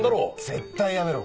絶対やめろ。